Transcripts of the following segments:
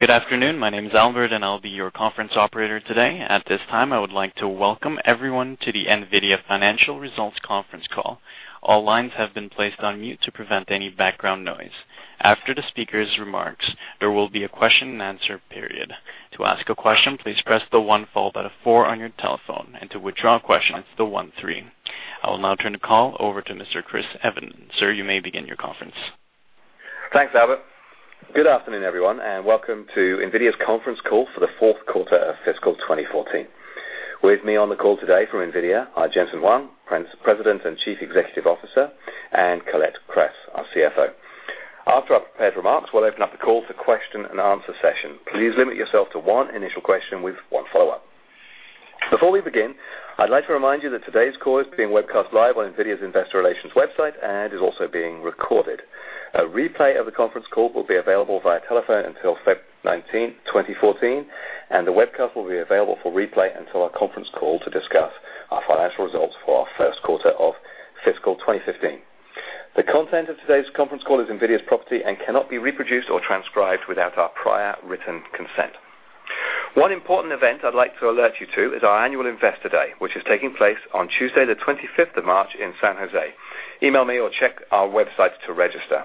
Good afternoon. My name is Albert, and I'll be your conference operator today. At this time, I would like to welcome everyone to the NVIDIA Financial Results conference call. All lines have been placed on mute to prevent any background noise. After the speaker's remarks, there will be a question-and-answer period. To ask a question, please press the one followed by the four on your telephone, and to withdraw a question, it's the one three. I will now turn the call over to Mr. Chris Evenden. Sir, you may begin your conference. Thanks, Albert. Good afternoon, everyone, and welcome to NVIDIA's conference call for the fourth quarter of fiscal 2014. With me on the call today from NVIDIA are Jensen Huang, President and Chief Executive Officer, and Colette Kress, our CFO. After our prepared remarks, we'll open up the call to question and answer session. Please limit yourself to one initial question with one follow-up. Before we begin, I'd like to remind you that today's call is being webcast live on NVIDIA's investor relations website and is also being recorded. A replay of the conference call will be available via telephone until February 19th, 2014, and the webcast will be available for replay until our conference call to discuss our financial results for our first quarter of fiscal 2015. The content of today's conference call is NVIDIA's property and cannot be reproduced or transcribed without our prior written consent. One important event I'd like to alert you to is our Annual Investor Day, which is taking place on Tuesday, the 25th of March in San Jose. Email me or check our website to register.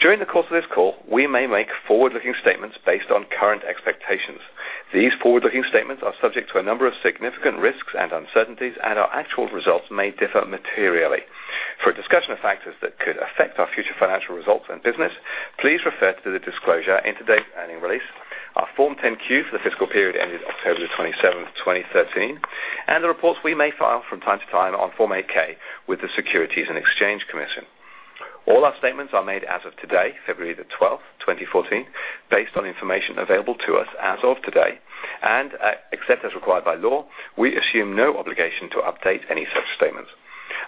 During the course of this call, we may make forward-looking statements based on current expectations. These forward-looking statements are subject to a number of significant risks and uncertainties. Our actual results may differ materially. For a discussion of factors that could affect our future financial results and business, please refer to the disclosure in today's earning release, our Form 10-Q for the fiscal period ending October 27th, 2013, and the reports we may file from time to time on Form 8-K with the Securities and Exchange Commission. All our statements are made as of today, February the 12th, 2014, based on information available to us as of today. Except as required by law, we assume no obligation to update any such statements.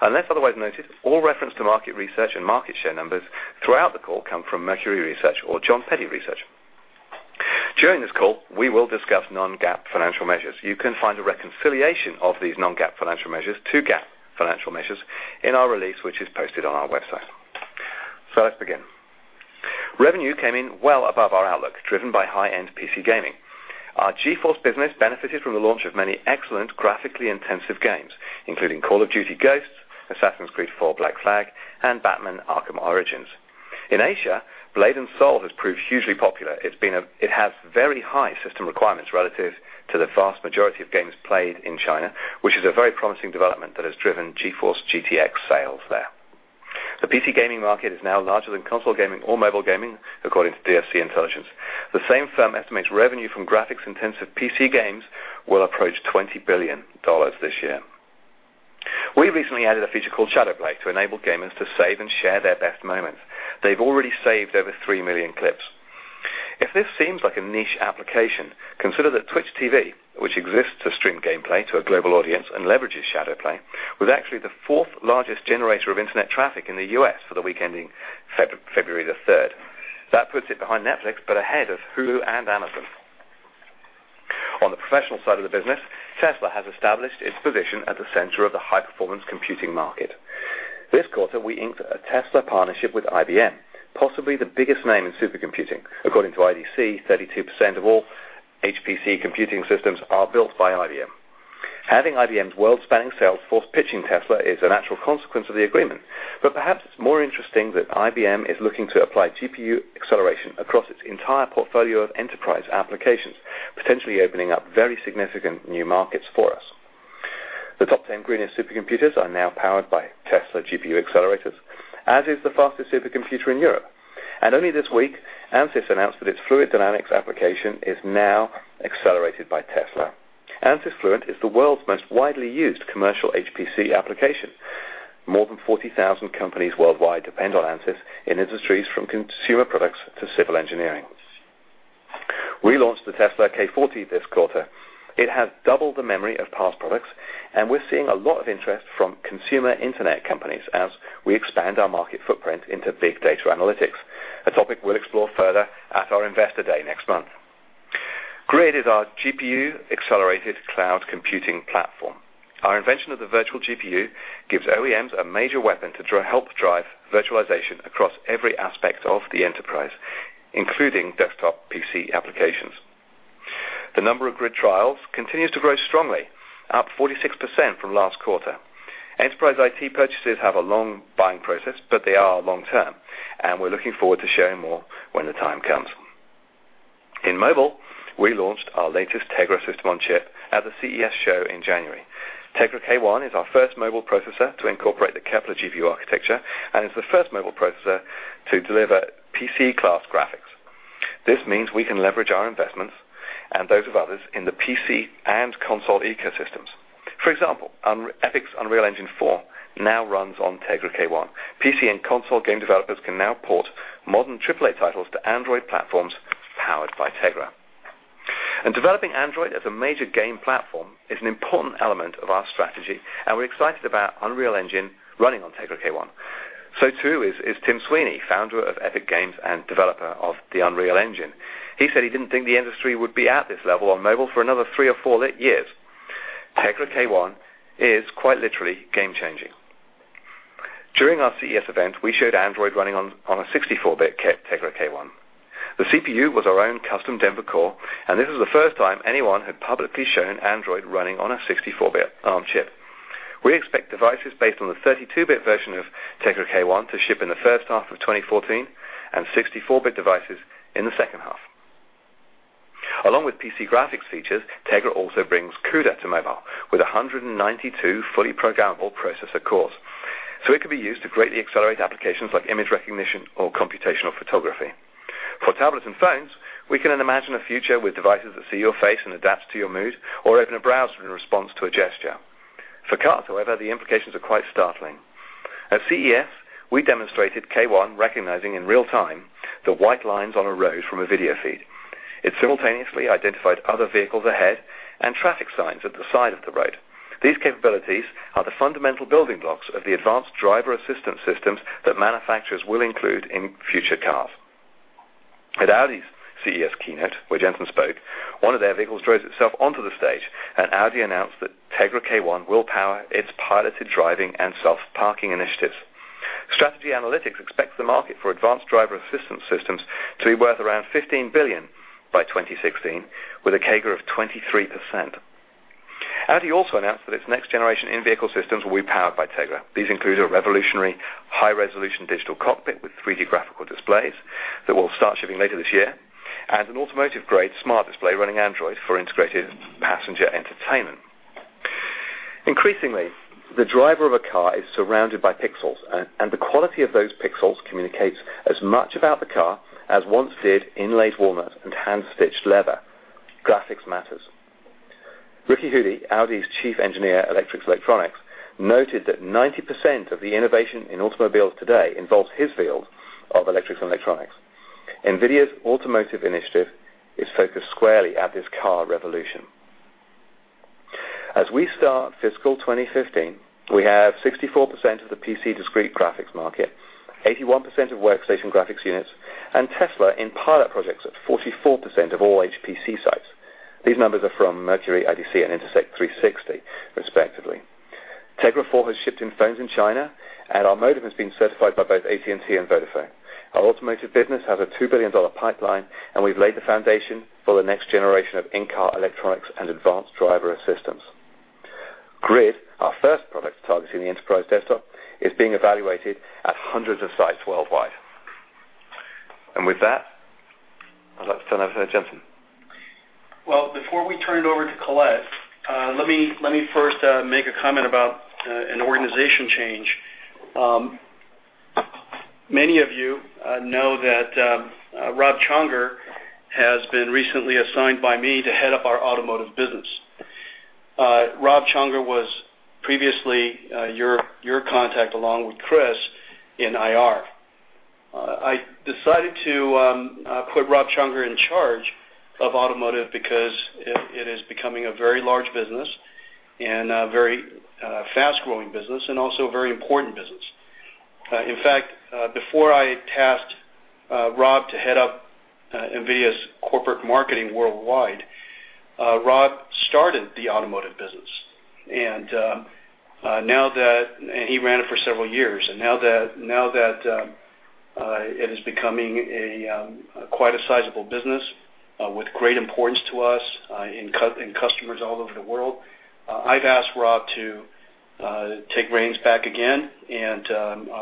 Unless otherwise noted, all reference to market research and market share numbers throughout the call come from Mercury Research or Jon Peddie Research. During this call, we will discuss non-GAAP financial measures. You can find a reconciliation of these non-GAAP financial measures to GAAP financial measures in our release, which is posted on our website. Let's begin. Revenue came in well above our outlook, driven by high-end PC gaming. Our GeForce business benefited from the launch of many excellent graphically intensive games, including Call of Duty: Ghosts, Assassin's Creed IV: Black Flag, and Batman: Arkham Origins. In Asia, Blade & Soul has proved hugely popular. It has very high system requirements relative to the vast majority of games played in China, which is a very promising development that has driven GeForce GTX sales there. The PC gaming market is now larger than console gaming or mobile gaming, according to DFC Intelligence. The same firm estimates revenue from graphics-intensive PC games will approach $20 billion this year. We recently added a feature called ShadowPlay to enable gamers to save and share their best moments. They've already saved over 3 million clips. If this seems like a niche application, consider that Twitch.tv, which exists to stream gameplay to a global audience and leverages ShadowPlay, was actually the fourth largest generator of internet traffic in the U.S. for the week ending February the 3rd. That puts it behind Netflix, but ahead of Hulu and Amazon. On the professional side of the business, Tesla has established its position at the center of the high-performance computing market. This quarter, we inked a Tesla partnership with IBM, possibly the biggest name in supercomputing. According to IDC, 32% of all HPC computing systems are built by IBM. Having IBM's world-spanning sales force pitching Tesla is a natural consequence of the agreement, but perhaps it's more interesting that IBM is looking to apply GPU acceleration across its entire portfolio of enterprise applications, potentially opening up very significant new markets for us. The top 10 greenest supercomputers are now powered by Tesla GPU accelerators, as is the fastest supercomputer in Europe. Only this week, Ansys announced that its fluid dynamics application is now accelerated by Tesla. Ansys Fluent is the world's most widely used commercial HPC application. More than 40,000 companies worldwide depend on Ansys in industries from consumer products to civil engineering. We launched the Tesla K40 this quarter. It has double the memory of past products. We're seeing a lot of interest from consumer internet companies as we expand our market footprint into big data analytics, a topic we'll explore further at our Investor Day next month. Grid is our GPU-accelerated cloud computing platform. Our invention of the virtual GPU gives OEMs a major weapon to help drive virtualization across every aspect of the enterprise, including desktop PC applications. The number of Grid trials continues to grow strongly, up 46% from last quarter. Enterprise IT purchases have a long buying process, but they are long-term. We're looking forward to sharing more when the time comes. In mobile, we launched our latest Tegra system on chip at the CES show in January. Tegra K1 is our first mobile processor to incorporate the Kepler GPU architecture, it's the first mobile processor to deliver PC-class graphics. This means we can leverage our investments and those of others in the PC and console ecosystems. For example, Epic's Unreal Engine 4 now runs on Tegra K1. PC and console game developers can now port modern AAA titles to Android platforms powered by Tegra. Developing Android as a major game platform is an important element of our strategy. We're excited about Unreal Engine running on Tegra K1. Too is Tim Sweeney, founder of Epic Games and developer of the Unreal Engine. He said he didn't think the industry would be at this level on mobile for another three or four years. Tegra K1 is quite literally game-changing. During our CES event, we showed Android running on a 64-bit Tegra K1. The CPU was our own custom Denver core, and this was the first time anyone had publicly shown Android running on a 64-bit ARM chip. We expect devices based on the 32-bit version of Tegra K1 to ship in the first half of 2014 and 64-bit devices in the second half. Along with PC graphics features, Tegra also brings CUDA to mobile with 192 fully programmable processor cores. It can be used to greatly accelerate applications like image recognition or computational photography. For tablets and phones, we can imagine a future with devices that see your face and adapt to your mood or open a browser in response to a gesture. For cars, however, the implications are quite startling. At CES, we demonstrated K1 recognizing in real time the white lines on a road from a video feed. It simultaneously identified other vehicles ahead and traffic signs at the side of the road. These capabilities are the fundamental building blocks of the advanced driver assistance systems that manufacturers will include in future cars. At Audi's CES keynote, where Jensen spoke, one of their vehicles drove itself onto the stage, and Audi announced that Tegra K1 will power its piloted driving and self-parking initiatives. Strategy Analytics expects the market for advanced driver assistance systems to be worth around $15 billion by 2016, with a CAGR of 23%. Audi also announced that its next generation in-vehicle systems will be powered by Tegra. These include a revolutionary high-resolution digital cockpit with 3D graphical displays that will start shipping later this year, and an automotive-grade smart display running Android for integrated passenger entertainment. Increasingly, the driver of a car is surrounded by pixels, and the quality of those pixels communicates as much about the car as once did inlaid walnut and hand-stitched leather. Graphics matters. Ricky Hudi, Audi's chief engineer, electrics, electronics, noted that 90% of the innovation in automobiles today involves his field of electrics and electronics. NVIDIA's automotive initiative is focused squarely at this car revolution. As we start fiscal 2015, we have 64% of the PC discrete graphics market, 81% of workstation graphics units, and Tesla in pilot projects at 44% of all HPC sites. These numbers are from Mercury, IDC, and Intersect360, respectively. Tegra 4 has shipped in phones in China, and our modem has been certified by both AT&T and Vodafone. Our automotive business has a $2 billion pipeline, and we've laid the foundation for the next generation of in-car electronics and advanced driver assistance. GRID, our first product targeting the enterprise desktop, is being evaluated at hundreds of sites worldwide. With that, I'd like to turn it over to Jensen. Well, before we turn it over to Colette, let me first make a comment about an organization change. Many of you know that Rob Csongor has been recently assigned by me to head up our automotive business. Rob Csongor was previously your contact along with Chris in IR. I decided to put Rob Csongor in charge of automotive because it is becoming a very large business and a very fast-growing business and also a very important business. In fact, before I tasked Rob to head up NVIDIA's corporate marketing worldwide, Rob started the automotive business, and he ran it for several years. Now that it is becoming quite a sizable business with great importance to us in customers all over the world, I've asked Rob to take reins back again and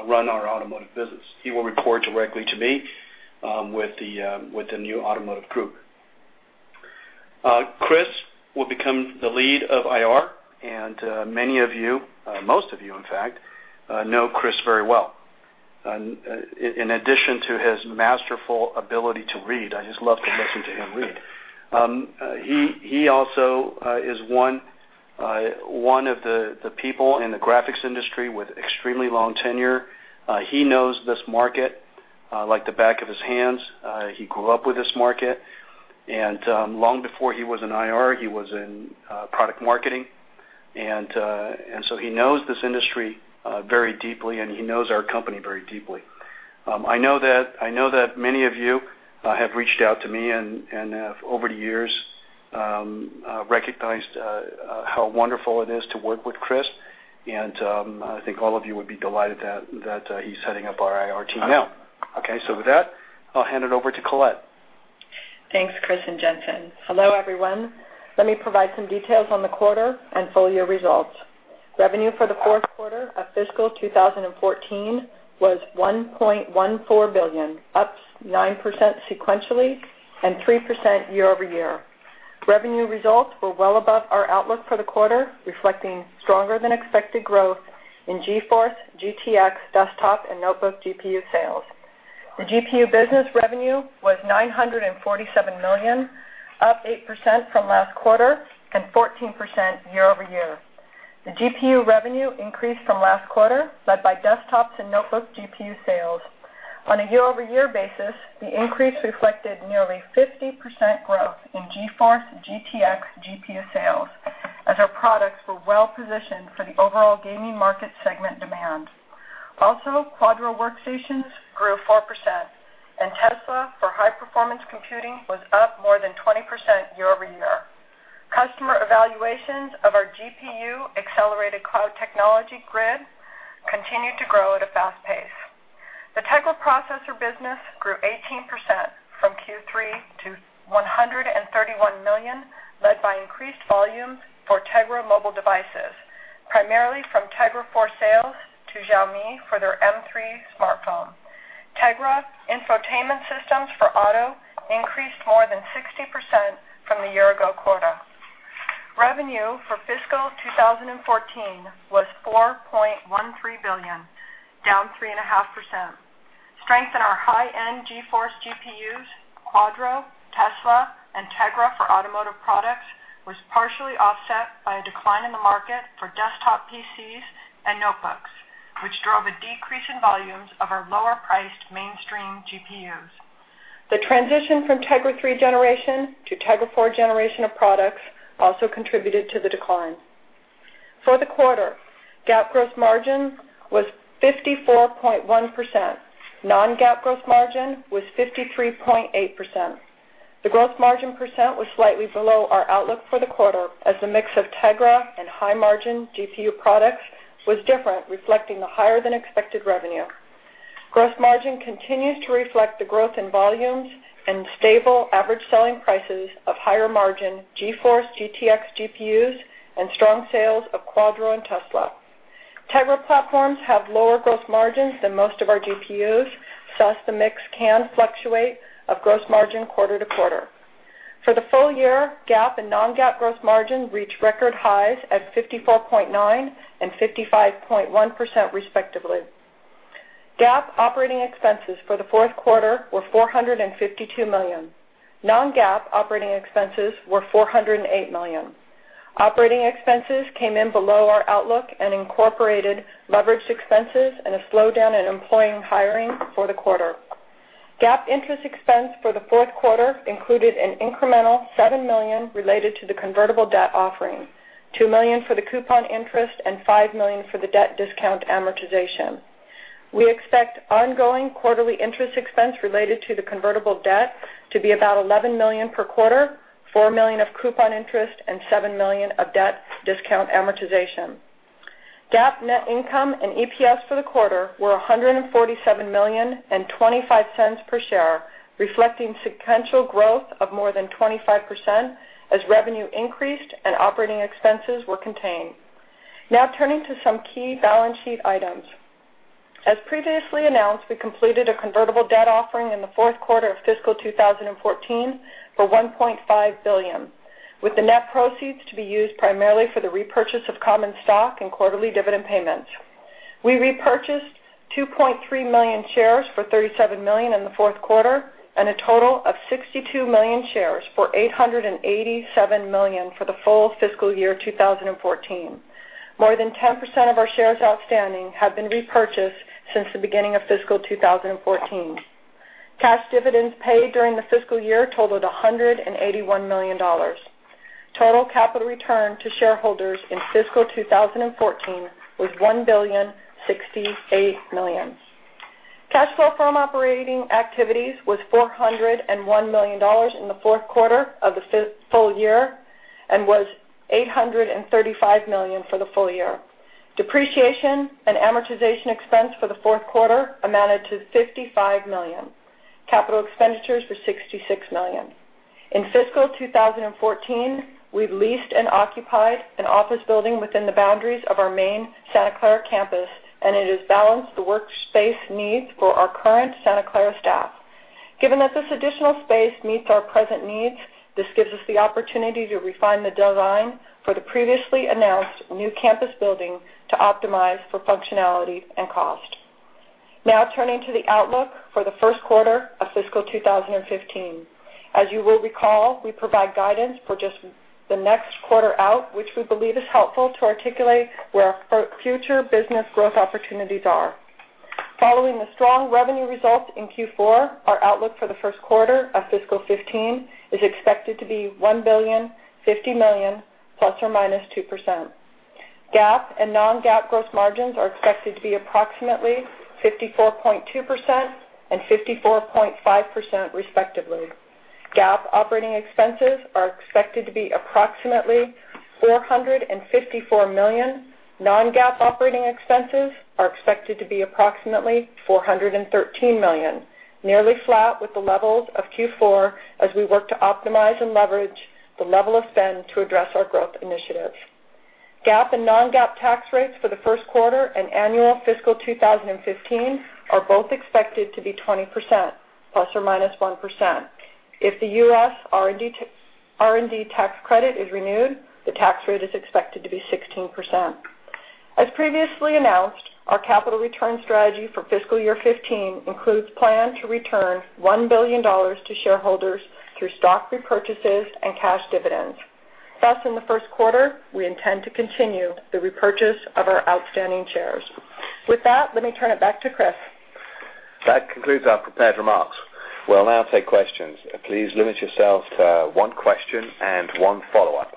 run our automotive business. He will report directly to me with the new automotive group. Chris will become the lead of IR, many of you, most of you, in fact, know Chris very well. In addition to his masterful ability to read, I just love to listen to him read. He also is one of the people in the graphics industry with extremely long tenure. He knows this market like the back of his hands. He grew up with this market, and long before he was in IR, he was in product marketing. He knows this industry very deeply, and he knows our company very deeply. I know that many of you have reached out to me and have, over the years, recognized how wonderful it is to work with Chris, and I think all of you would be delighted that he's heading up our IR team now. Okay, with that, I'll hand it over to Colette. Thanks, Chris and Jensen. Hello, everyone. Let me provide some details on the quarter and full-year results. Revenue for the fourth quarter of fiscal 2014 was $1.14 billion, up 9% sequentially and 3% year-over-year. Revenue results were well above our outlook for the quarter, reflecting stronger than expected growth in GeForce, GTX, desktop, and notebook GPU sales. The GPU business revenue was $947 million, up 8% from last quarter and 14% year-over-year. The GPU revenue increased from last quarter, led by desktops and notebook GPU sales. On a year-over-year basis, the increase reflected nearly 50% growth in GeForce, GTX GPU sales as our products were well positioned for the overall gaming market segment demand. Also, Quadro workstations grew 4%, and Tesla for high-performance computing was up more than 20% year-over-year. Customer evaluations of our GPU accelerated cloud technology Grid continued to grow at a fast pace. The Tegra processor business grew 18% from Q3 to $131 million, led by increased volume for Tegra mobile devices, primarily from Tegra 4 sales to Xiaomi for their Mi 3 smartphone. Tegra infotainment systems for auto increased more than 60% from the year-ago quarter. Revenue for fiscal 2014 was $4.13 billion, down 3.5%. Strength in our high-end GeForce GPUs, Quadro, Tesla, and Tegra for automotive products was partially offset by a decline in the market for desktop PCs and notebooks, which drove a decrease in volumes of our lower-priced mainstream GPUs. The transition from Tegra 3 generation to Tegra 4 generation of products also contributed to the decline. For the quarter, GAAP gross margin was 54.1%. Non-GAAP gross margin was 53.8%. The gross margin % was slightly below our outlook for the quarter, as the mix of Tegra and high-margin GPU products was different, reflecting the higher-than-expected revenue. Gross margin continues to reflect the growth in volumes and stable average selling prices of higher-margin GeForce GTX GPUs and strong sales of Quadro and Tesla. Tegra platforms have lower gross margins than most of our GPUs, thus the mix can fluctuate of gross margin quarter-to-quarter. For the full year, GAAP and non-GAAP gross margin reached record highs at 54.9% and 55.1%, respectively. GAAP operating expenses for the fourth quarter were $452 million. Non-GAAP operating expenses were $408 million. Operating expenses came in below our outlook and incorporated leveraged expenses and a slowdown in employee hiring for the quarter. GAAP interest expense for the fourth quarter included an incremental $7 million related to the convertible debt offering, $2 million for the coupon interest, and $5 million for the debt discount amortization. We expect ongoing quarterly interest expense related to the convertible debt to be about $11 million per quarter, $4 million of coupon interest, and $7 million of debt discount amortization. GAAP net income and EPS for the quarter were $147 million and $0.25 per share, reflecting sequential growth of more than 25% as revenue increased and operating expenses were contained. Now turning to some key balance sheet items. As previously announced, we completed a convertible debt offering in the fourth quarter of fiscal 2014 for $1.5 billion, with the net proceeds to be used primarily for the repurchase of common stock and quarterly dividend payments. We repurchased 2.3 million shares for $37 million in the fourth quarter and a total of 62 million shares for $887 million for the full fiscal year 2014. More than 10% of our shares outstanding have been repurchased since the beginning of fiscal 2014. Cash dividends paid during the fiscal year totaled $181 million. Total capital return to shareholders in fiscal 2014 was $1.068 billion. Cash flow from operating activities was $401 million in the fourth quarter of the full year and was $835 million for the full year. Depreciation and amortization expense for the fourth quarter amounted to $55 million. Capital expenditures were $66 million. In fiscal 2014, we leased and occupied an office building within the boundaries of our main Santa Clara campus, and it has balanced the workspace needs for our current Santa Clara staff. Given that this additional space meets our present needs, this gives us the opportunity to refine the design for the previously announced new campus building to optimize for functionality and cost. Now turning to the outlook for the first quarter of fiscal 2015. As you will recall, we provide guidance for just the next quarter out, which we believe is helpful to articulate where our future business growth opportunities are. Following the strong revenue results in Q4, our outlook for the first quarter of fiscal 2015 is expected to be $1.050 billion, ±2%. GAAP and non-GAAP gross margins are expected to be approximately 54.2% and 54.5%, respectively. GAAP operating expenses are expected to be approximately $454 million. Non-GAAP operating expenses are expected to be approximately $413 million, nearly flat with the levels of Q4 as we work to optimize and leverage the level of spend to address our growth initiatives. GAAP and non-GAAP tax rates for the first quarter and annual fiscal 2015 are both expected to be 20% ±1%. If the U.S. R&D tax credit is renewed, the tax rate is expected to be 16%. As previously announced, our capital return strategy for fiscal year 2015 includes plan to return $1 billion to shareholders through stock repurchases and cash dividends. Thus, in the first quarter, we intend to continue the repurchase of our outstanding shares. With that, let me turn it back to Chris. That concludes our prepared remarks. We will now take questions. Please limit yourselves to one question and one follow-up.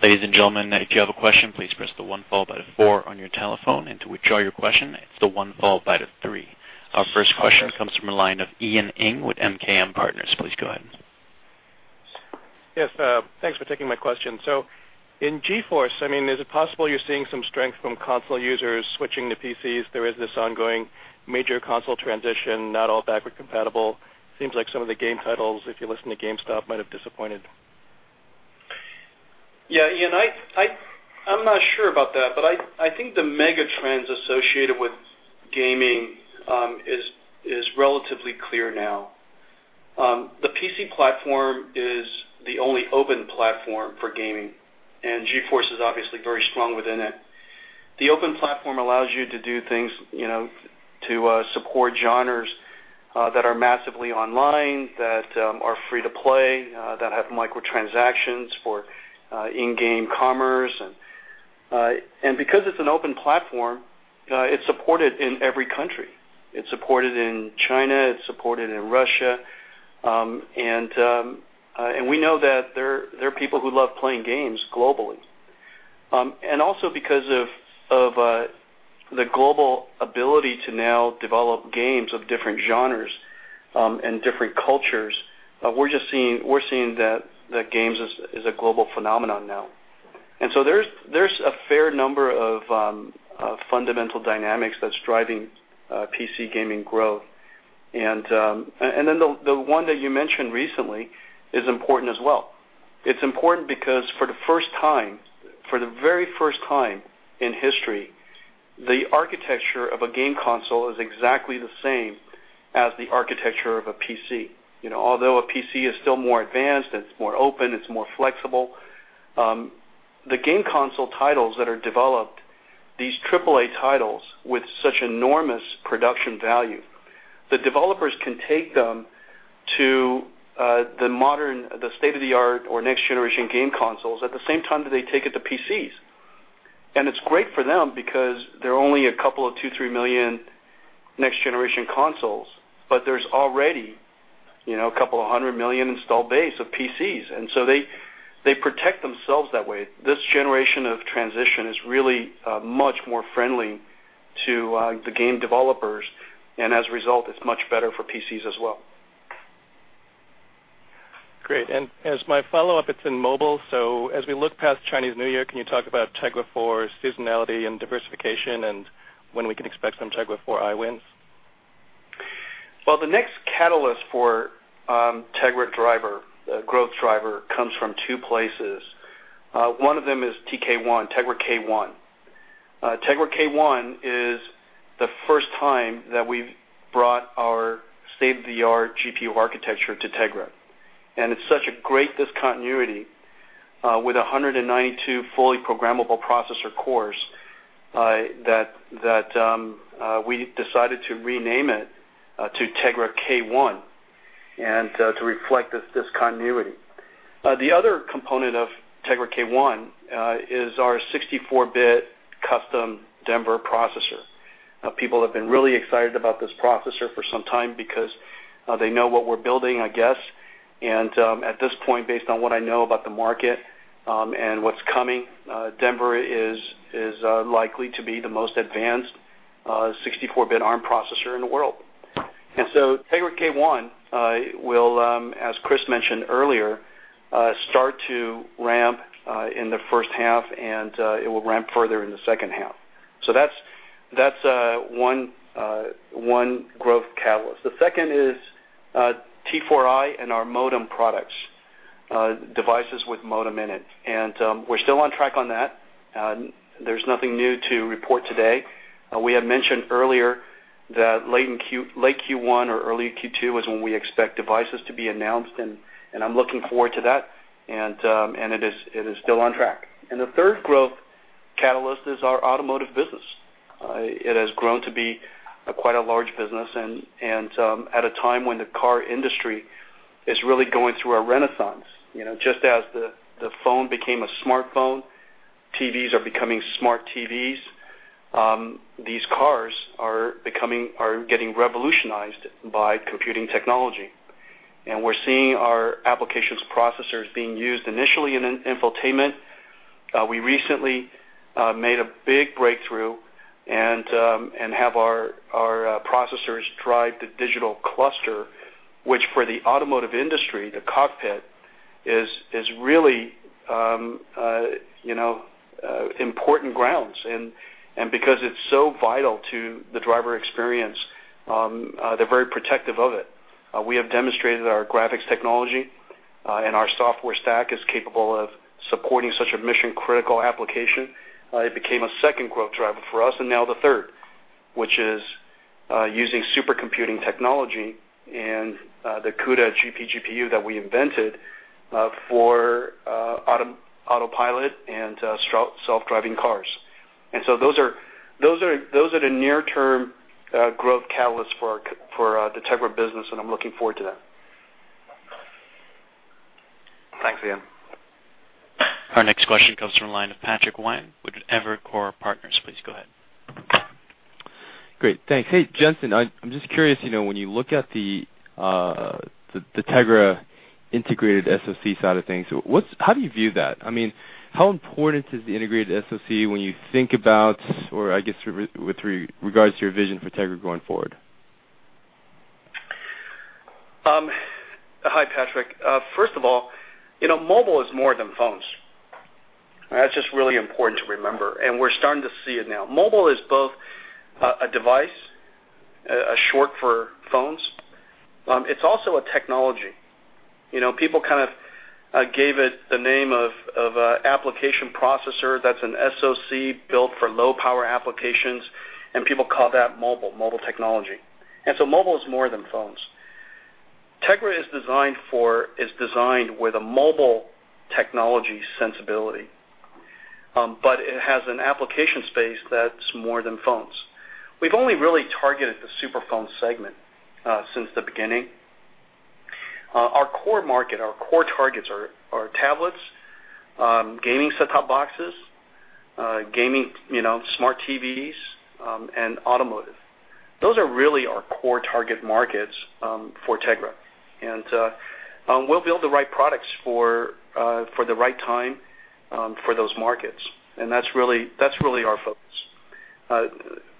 Ladies and gentlemen, if you have a question, please press the one followed by the four on your telephone, and to withdraw your question, it is the one followed by the three. Our first question comes from the line of Ian Ing with MKM Partners. Please go ahead. Yes. Thanks for taking my question. In GeForce, is it possible you are seeing some strength from console users switching to PCs? There is this ongoing major console transition, not all backward compatible. Seems like some of the game titles, if you listen to GameStop, might have disappointed. Yeah, Ian, I'm not sure about that, but I think the mega trends associated with gaming is relatively clear now. The PC platform is the only open platform for gaming, and GeForce is obviously very strong within it. The open platform allows you to do things to support genres that are massively online, that are free to play, that have micro transactions for in-game commerce. Because it's an open platform, it's supported in every country. It's supported in China, it's supported in Russia, and we know that there are people who love playing games globally. Also because of the global ability to now develop games of different genres and different cultures, we're seeing that games is a global phenomenon now. There's a fair number of fundamental dynamics that's driving PC gaming growth. Then the one that you mentioned recently is important as well. It's important because for the very first time in history, the architecture of a game console is exactly the same as the architecture of a PC. Although a PC is still more advanced, it's more open, it's more flexible, the game console titles that are developed, these triple A titles with such enormous production value, the developers can take them to the modern, the state-of-the-art, or next generation game consoles at the same time that they take it to PCs. It's great for them because there are only a couple of two, three million next generation consoles, but there's already a couple of 100 million installed base of PCs, and so they protect themselves that way. This generation of transition is really much more friendly to the game developers, and as a result, it's much better for PCs as well. Great. As my follow-up, it's in mobile. As we look past Chinese New Year, can you talk about Tegra 4 seasonality and diversification and when we can expect some Tegra 4i wins? The next catalyst for Tegra growth driver comes from two places. One of them is TK1, Tegra K1. Tegra K1 is the first time that we've brought our state-of-the-art GPU architecture to Tegra, and it's such a great discontinuity with 192 fully programmable processor cores, that we decided to rename it to Tegra K1 and to reflect this continuity. The other component of Tegra K1 is our 64-bit custom Denver processor. People have been really excited about this processor for some time because they know what we're building, I guess. At this point, based on what I know about the market and what's coming, Denver is likely to be the most advanced 64-bit ARM processor in the world. Tegra K1 will, as Chris mentioned earlier, start to ramp in the first half, and it will ramp further in the second half. That's one growth catalyst. The second is Tegra 4i and our modem products, devices with modem in it. We're still on track on that. There's nothing new to report today. We had mentioned earlier that late Q1 or early Q2 was when we expect devices to be announced, and I'm looking forward to that, and it is still on track. The third growth catalyst is our automotive business. It has grown to be quite a large business and at a time when the car industry is really going through a renaissance. Just as the phone became a smartphone, TVs are becoming smart TVs, these cars are getting revolutionized by computing technology, and we're seeing our applications processors being used initially in infotainment. We recently made a big breakthrough and have our processors drive the digital cluster, which for the automotive industry, the cockpit, is really important grounds, and because it's so vital to the driver experience, they're very protective of it. We have demonstrated our graphics technology, and our software stack is capable of supporting such a mission-critical application. It became a second growth driver for us, and now the third, which is using supercomputing technology and the CUDA GPGPU that we invented for autopilot and self-driving cars. Those are the near-term growth catalysts for the Tegra business, and I'm looking forward to that. Thanks, Ian. Our next question comes from the line of Patrick Wang with Evercore Partners. Please go ahead. Great. Thanks. Hey, Jen-Hsun, I'm just curious, when you look at the Tegra integrated SoC side of things, how do you view that? How important is the integrated SoC when you think about, or I guess with regards to your vision for Tegra going forward? Hi, Patrick. First of all, mobile is more than phones. That's just really important to remember, and we're starting to see it now. Mobile is both a device, a short for phones. It's also a technology. People kind of gave it the name of application processor, that's an SoC built for low power applications, and people call that mobile technology. Mobile is more than phones. Tegra is designed with a mobile technology sensibility, but it has an application space that's more than phones. We've only really targeted the super phone segment since the beginning. Our core market, our core targets are tablets, gaming set-top boxes, smart TVs, and automotive. Those are really our core target markets for Tegra, and we'll build the right products for the right time for those markets. That's really our focus.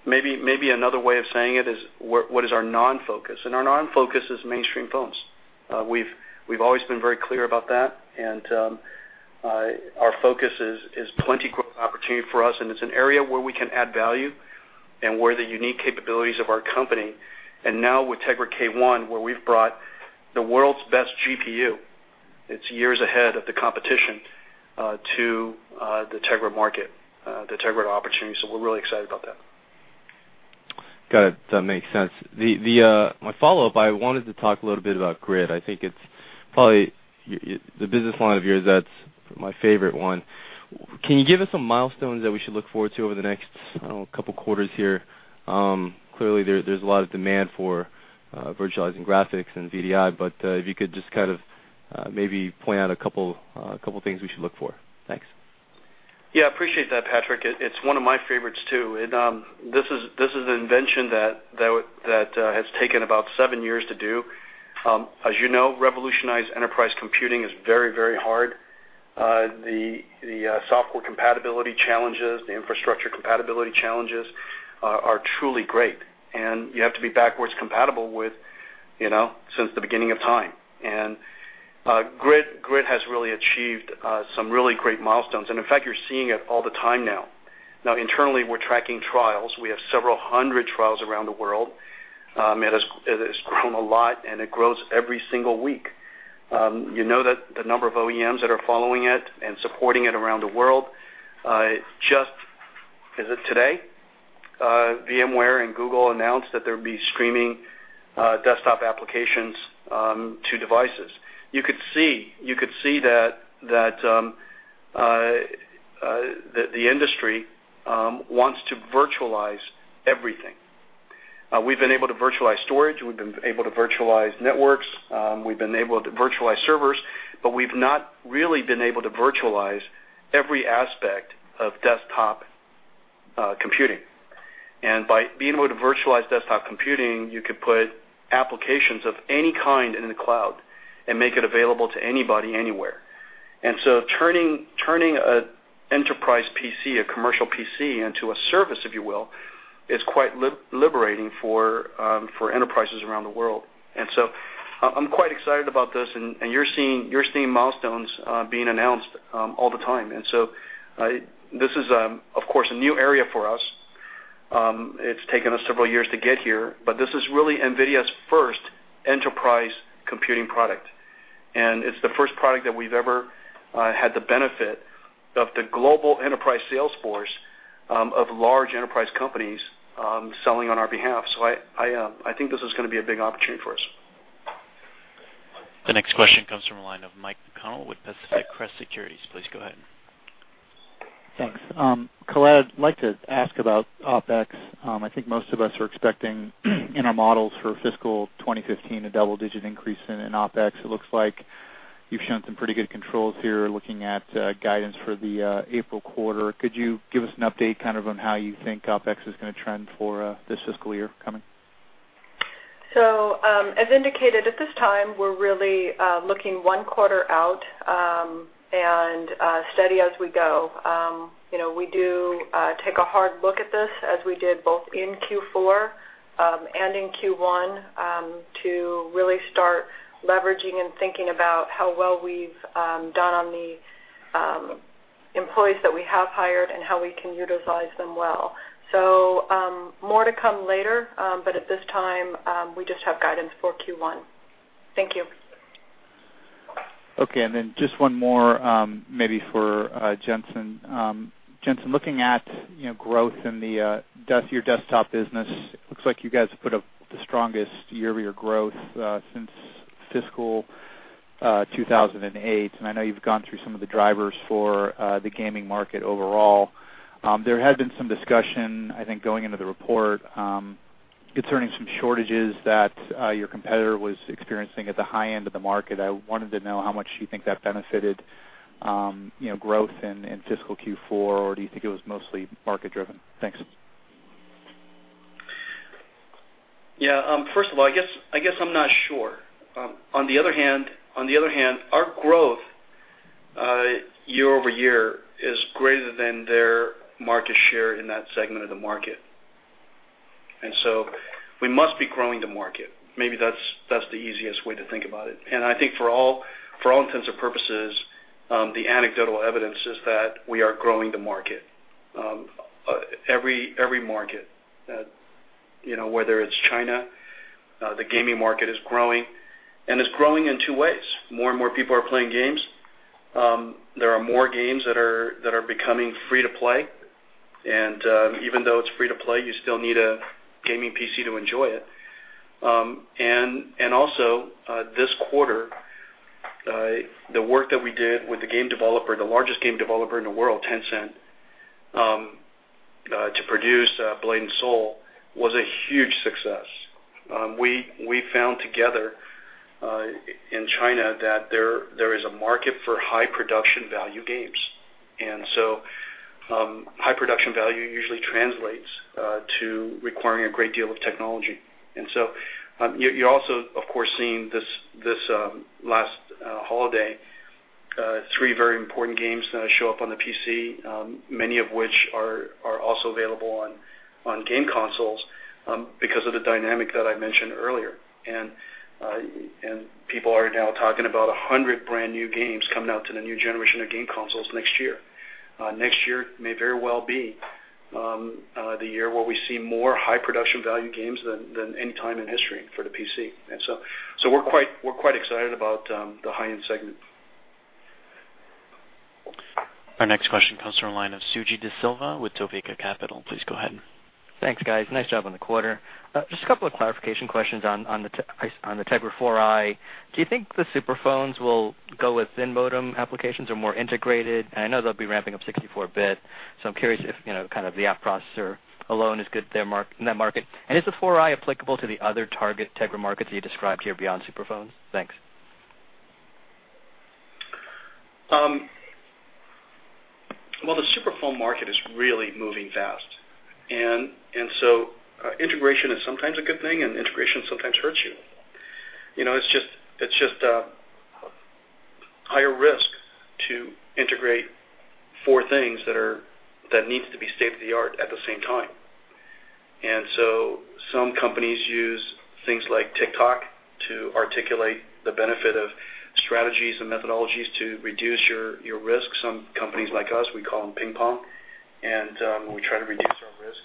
Maybe another way of saying it is what is our non-focus, our non-focus is mainstream phones. We've always been very clear about that, our focus is plenty growth opportunity for us, it's an area where we can add value and where the unique capabilities of our company, now with Tegra K1, where we've brought the world's best GPU, it's years ahead of the competition, to the Tegra market, the Tegra opportunity. We're really excited about that. Got it. That makes sense. My follow-up, I wanted to talk a little bit about Grid. I think it's probably the business line of yours that's my favorite one. Can you give us some milestones that we should look forward to over the next couple quarters here? Clearly, there's a lot of demand for virtualizing graphics and VDI, if you could just maybe point out a couple things we should look for. Thanks. Yeah, appreciate that, Patrick. It's one of my favorites, too. This is an invention that has taken about seven years to do. As you know, revolutionized enterprise computing is very hard. The software compatibility challenges, the infrastructure compatibility challenges are truly great. You have to be backwards compatible with since the beginning of time. Grid has really achieved some really great milestones, and in fact, you're seeing it all the time now. Now internally, we're tracking trials. We have several hundred trials around the world. It has grown a lot, and it grows every single week. You know that the number of OEMs that are following it and supporting it around the world. Just, is it today? VMware and Google announced that there'd be streaming desktop applications to devices. You could see that the industry wants to virtualize everything. We've been able to virtualize storage, we've been able to virtualize networks, we've been able to virtualize servers, but we've not really been able to virtualize every aspect of desktop computing. By being able to virtualize desktop computing, you could put applications of any kind in the cloud and make it available to anybody, anywhere. Turning an enterprise PC, a commercial PC into a service, if you will, is quite liberating for enterprises around the world. I'm quite excited about this, and you're seeing milestones being announced all the time. This is, of course, a new area for us. It's taken us several years to get here, but this is really NVIDIA's first enterprise computing product, and it's the first product that we've ever had the benefit of the global enterprise sales force of large enterprise companies selling on our behalf. I think this is going to be a big opportunity for us. The next question comes from the line of Michael McConnell with Pacific Crest Securities. Please go ahead. Thanks. Colette, I'd like to ask about OpEx. I think most of us are expecting in our models for fiscal 2015, a double digit increase in OpEx. It looks like you've shown some pretty good controls here looking at guidance for the April quarter. Could you give us an update on how you think OpEx is going to trend for this fiscal year coming? As indicated at this time, we're really looking one quarter out, and steady as we go. We do take a hard look at this as we did both in Q4, and in Q1, to really start leveraging and thinking about how well we've done on the employees that we have hired and how we can utilize them well. More to come later, but at this time, we just have guidance for Q1. Thank you. Okay, just one more maybe for Jensen. Jensen, looking at growth in your desktop business, looks like you guys have put up the strongest year-over-year growth since fiscal 2008, and I know you've gone through some of the drivers for the gaming market overall. There had been some discussion, I think, going into the report concerning some shortages that your competitor was experiencing at the high end of the market, I wanted to know how much you think that benefited growth in fiscal Q4, or do you think it was mostly market-driven? Thanks. Yeah. First of all, I guess I'm not sure. On the other hand, our growth year-over-year is greater than their market share in that segment of the market. We must be growing the market. Maybe that's the easiest way to think about it. I think for all intents and purposes, the anecdotal evidence is that we are growing the market, every market, whether it's China, the gaming market is growing, and it's growing in two ways. More and more people are playing games. There are more games that are becoming free to play. Even though it's free to play, you still need a gaming PC to enjoy it. Also, this quarter, the work that we did with the game developer, the largest game developer in the world, Tencent, to produce Blade & Soul, was a huge success. We found together in China that there is a market for high production value games. High production value usually translates to requiring a great deal of technology. You also, of course, seen this last holiday, three very important games show up on the PC, many of which are also available on game consoles because of the dynamic that I mentioned earlier. People are now talking about 100 brand-new games coming out to the new generation of game consoles next year. Next year may very well be the year where we see more high production value games than any time in history for the PC. We're quite excited about the high-end segment. Our next question comes from the line of Suji De Silva with Topeka Capital Markets. Please go ahead. Thanks, guys. Nice job on the quarter. Just a couple of clarification questions on the Tegra 4i. Do you think the super phones will go with thin modem applications or more integrated? I know they'll be ramping up 64-bit, so I'm curious if the app processor alone is good in that market. Is the 4i applicable to the other target Tegra markets that you described here beyond super phones? Thanks. Well, the super phone market is really moving fast, integration is sometimes a good thing, and integration sometimes hurts you. It's just higher risk to integrate four things that needs to be state-of-the-art at the same time. Some companies use things like tick-tock to articulate the benefit of strategies and methodologies to reduce your risks. Some companies like us, we call them ping pong, and we try to reduce our risk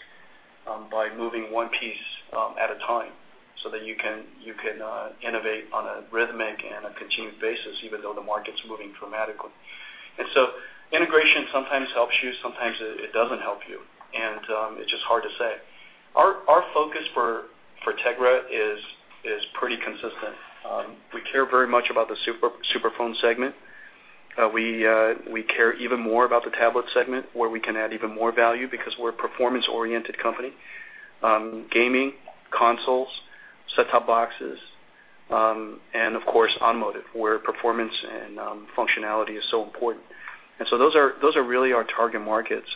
by moving one piece at a time so that you can innovate on a rhythmic and a continued basis, even though the market's moving dramatically. Integration sometimes helps you, sometimes it doesn't help you, and it's just hard to say. Our focus for Tegra is pretty consistent. We care very much about the super phone segment. We care even more about the tablet segment, where we can add even more value because we're a performance-oriented company. Gaming, consoles, set-top boxes, and of course, automotive, where performance and functionality is so important. Those are really our target markets.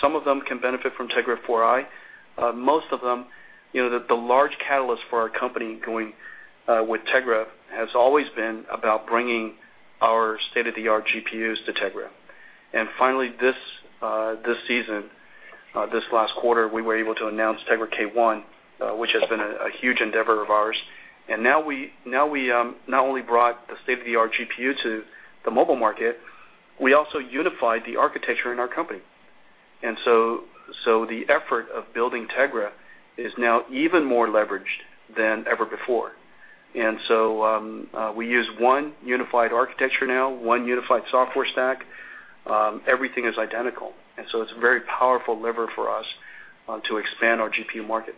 Some of them can benefit from Tegra 4i. Most of them, the large catalyst for our company going with Tegra has always been about bringing our state-of-the-art GPUs to Tegra. Finally, this season, this last quarter, we were able to announce Tegra K1, which has been a huge endeavor of ours. Now we not only brought the state-of-the-art GPU to the mobile market, we also unified the architecture in our company. The effort of building Tegra is now even more leveraged than ever before. We use one unified architecture now, one unified software stack. Everything is identical, it's a very powerful lever for us to expand our GPU market.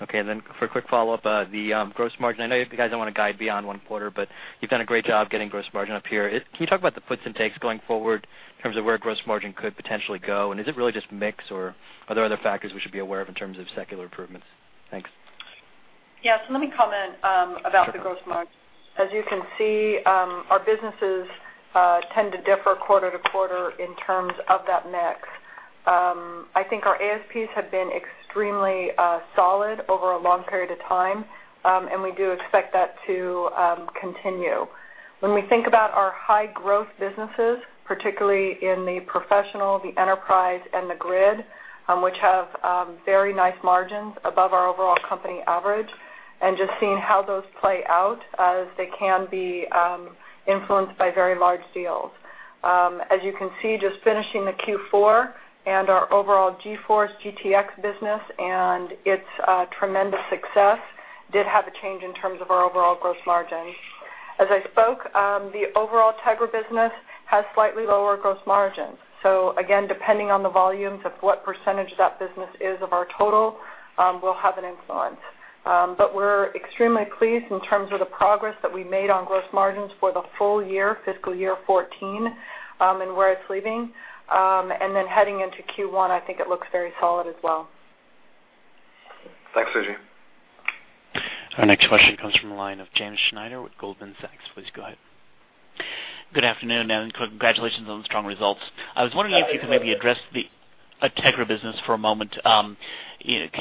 Okay, for a quick follow-up, the gross margin. I know you guys don't want to guide beyond one quarter, but you've done a great job getting gross margin up here. Can you talk about the puts and takes going forward in terms of where gross margin could potentially go? Is it really just mix, or are there other factors we should be aware of in terms of secular improvements? Thanks. Yeah. Let me comment about the gross margin. As you can see, our businesses tend to differ quarter to quarter in terms of that mix. I think our ASPs have been extremely solid over a long period of time, and we do expect that to continue. When we think about our high growth businesses, particularly in the professional, the enterprise, and the Grid, which have very nice margins above our overall company average, just seeing how those play out as they can be influenced by very large deals. As you can see, just finishing the Q4 and our overall GeForce GTX business and its tremendous success did have a change in terms of our overall gross margin. As I spoke, the overall Tegra business has slightly lower gross margins. Depending on the volumes of what percentage of that business is of our total will have an influence. We're extremely pleased in terms of the progress that we made on gross margins for the full year, fiscal year 2014, and where it's leaving. Heading into Q1, I think it looks very solid as well. Thanks, Suji. Our next question comes from the line of James Schneider with Goldman Sachs. Please go ahead. Good afternoon, Jensen. Congratulations on the strong results. I was wondering if you could maybe address the Tegra business for a moment. Can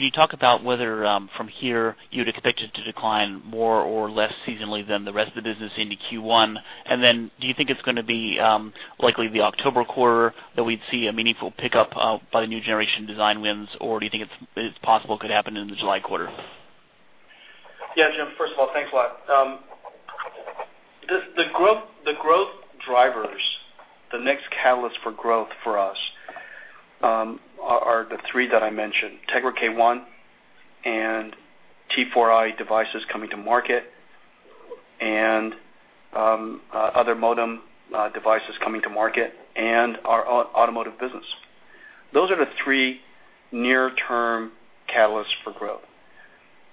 you talk about whether, from here, you'd expect it to decline more or less seasonally than the rest of the business into Q1? Do you think it's going to be likely the October quarter that we'd see a meaningful pickup by the new generation design wins, or do you think it's possible it could happen in the July quarter? Yeah, Jim, first of all, thanks a lot. The growth drivers, the next catalyst for growth for us are the three that I mentioned, Tegra K1 and Tegra 4i devices coming to market, and other modem devices coming to market, and our automotive business. Those are the three near-term catalysts for growth.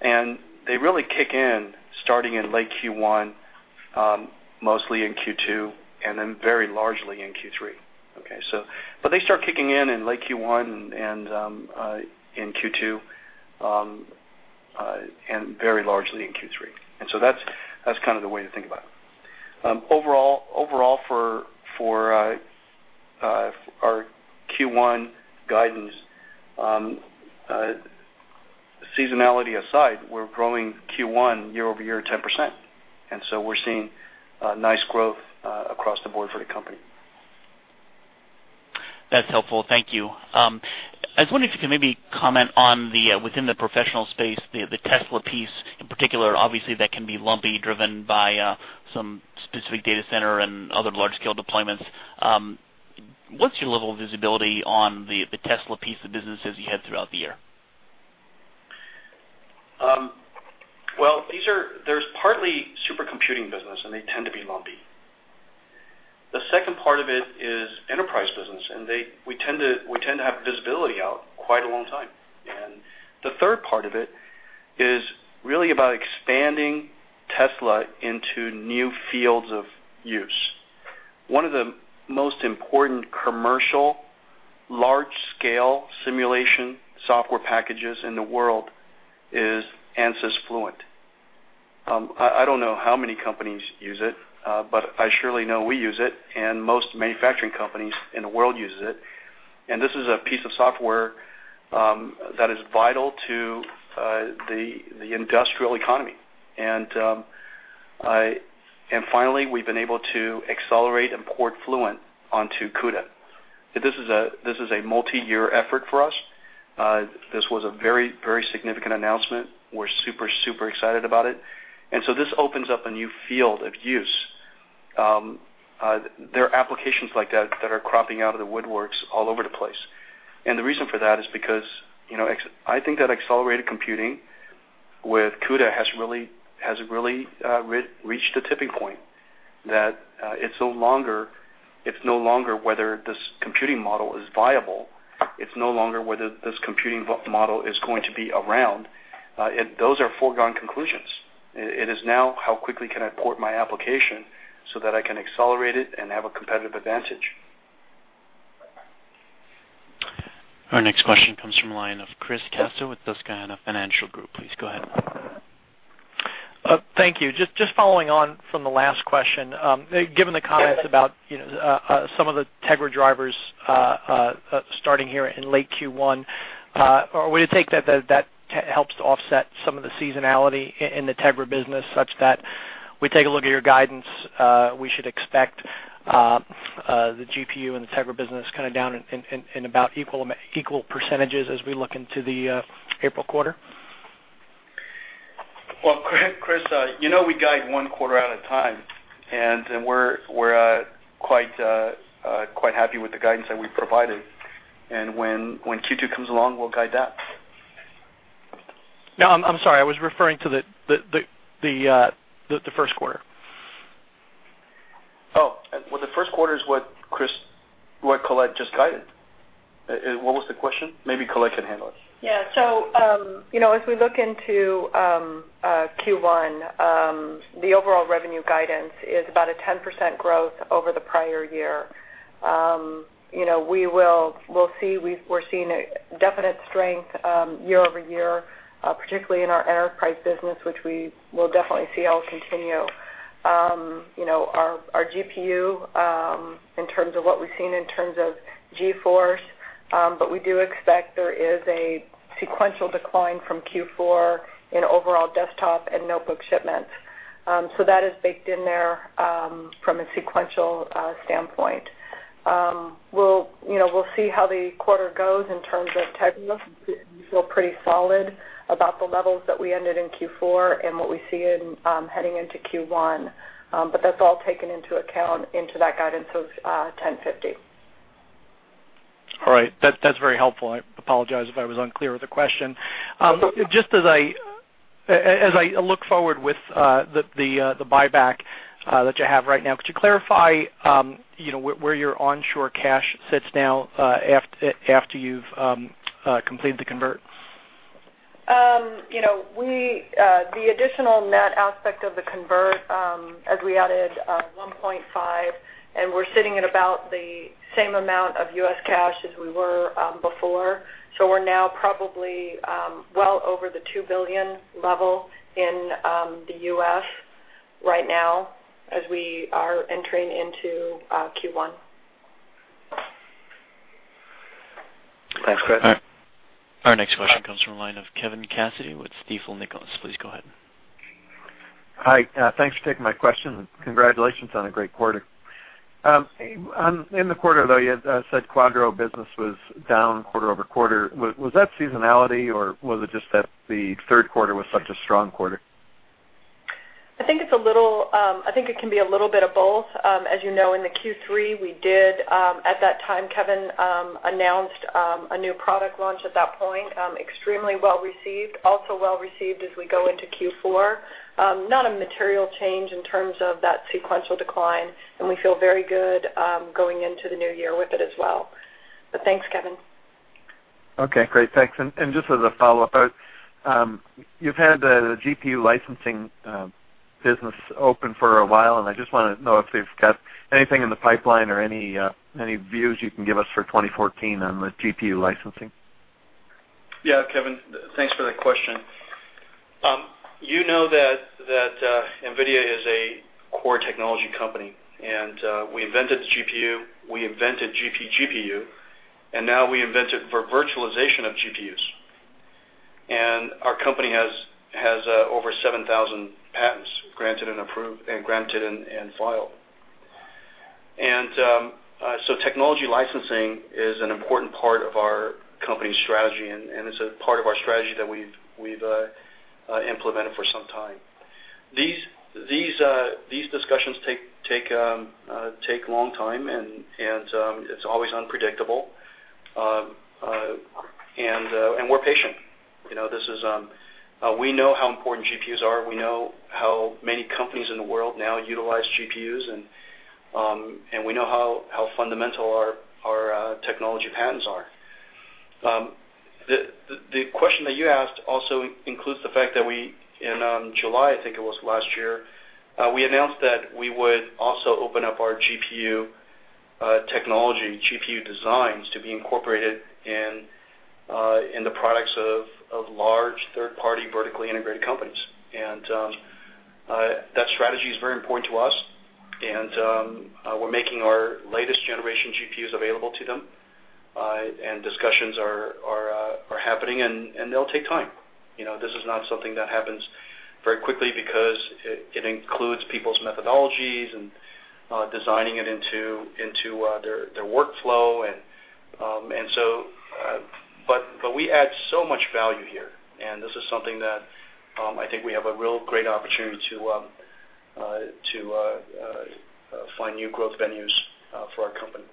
They really kick in starting in late Q1, mostly in Q2, then very largely in Q3. They start kicking in in late Q1 and in Q2, and very largely in Q3. That's the way to think about it. Overall, for our Q1 guidance, seasonality aside, we're growing Q1 year-over-year 10%. We're seeing nice growth across the board for the company. That's helpful. Thank you. I was wondering if you could maybe comment on within the professional space, the Tesla piece in particular. Obviously, that can be lumpy, driven by some specific data center and other large-scale deployments. What's your level of visibility on the Tesla piece of business as you head throughout the year? There's partly supercomputing business, they tend to be lumpy. The second part of it is enterprise business, and we tend to have visibility out quite a long time. The third part of it is really about expanding Tesla into new fields of use. One of the most important commercial large-scale simulation software packages in the world is Ansys Fluent. I don't know how many companies use it, but I surely know we use it, and most manufacturing companies in the world use it. This is a piece of software that is vital to the industrial economy. Finally, we've been able to accelerate and port Fluent onto CUDA. This is a multi-year effort for us. This was a very significant announcement. We're super excited about it. So this opens up a new field of use. There are applications like that that are cropping out of the woodworks all over the place. The reason for that is because I think that accelerated computing with CUDA has really reached a tipping point that it's no longer whether this computing model is viable. It's no longer whether this computing model is going to be around. Those are foregone conclusions. It is now how quickly can I port my application so that I can accelerate it and have a competitive advantage. Our next question comes from the line of Chris Caso with Susquehanna Financial Group. Please go ahead. Thank you. Just following on from the last question. Given the comments about some of the Tegra drivers starting here in late Q1, would it take that helps to offset some of the seasonality in the Tegra business, such that we take a look at your guidance, we should expect the GPU and the Tegra business down in about equal percentages as we look into the April quarter? Well, Chris, we guide one quarter at a time. We're quite happy with the guidance that we provided. When Q2 comes along, we'll guide that. No, I'm sorry. I was referring to the first quarter. Well, the first quarter is what Colette just guided. What was the question? Maybe Colette can handle it. Yeah. As we look into Q1, the overall revenue guidance is about a 10% growth over the prior year. We're seeing a definite strength year-over-year, particularly in our enterprise business, which we will definitely see will continue. Our GPU, in terms of what we've seen in terms of GeForce, but we do expect there is a sequential decline from Q4 in overall desktop and notebook shipments. That is baked in there from a sequential standpoint. We'll see how the quarter goes in terms of Tegra. We feel pretty solid about the levels that we ended in Q4 and what we see heading into Q1, but that's all taken into account into that guidance of $1,050. All right. That's very helpful. I apologize if I was unclear with the question. Just as I look forward with the buyback that you have right now, could you clarify where your onshore cash sits now after you've completed the convert? The additional net aspect of the convert, as we added $1.5 billion, and we're sitting at about the same amount of U.S. cash as we were before. We're now probably well over the $2 billion level in the U.S. right now, as we are entering into Q1. Thanks, Chris. Our next question comes from the line of Kevin Cassidy with Stifel Nicolaus. Please go ahead. Hi, thanks for taking my question. Congratulations on a great quarter. In the quarter, though, you had said Quadro business was down quarter-over-quarter. Was that seasonality or was it just that the third quarter was such a strong quarter? I think it can be a little bit of both. As you know, in the Q3 we did, at that time, Kevin announced a new product launch at that point. Extremely well received, also well received as we go into Q4. Not a material change in terms of that sequential decline, and we feel very good going into the new year with it as well. Thanks, Kevin. Okay, great. Thanks. Just as a follow-up, you've had the GPU licensing business open for a while, I just want to know if we've got anything in the pipeline or any views you can give us for 2014 on the GPU licensing. Yeah, Kevin, thanks for that question. You know that NVIDIA is a core technology company. We invented the GPU, we invented GP-GPU. Now we invented for virtualization of GPUs. Our company has over 7,000 patents granted and approved, granted and filed. Technology licensing is an important part of our company's strategy. It's a part of our strategy that we've implemented for some time. These discussions take a long time. It's always unpredictable. We're patient. We know how important GPUs are. We know how many companies in the world now utilize GPUs. We know how fundamental our technology patents are. The question that you asked also includes the fact that we, in July, I think it was, last year, we announced that we would also open up our GPU technology, GPU designs to be incorporated in the products of large third-party vertically integrated companies. That strategy is very important to us. We're making our latest generation GPUs available to them. Discussions are happening. They'll take time. This is not something that happens very quickly because it includes people's methodologies and designing it into their workflow. We add so much value here. This is something that I think we have a real great opportunity to find new growth venues for our company.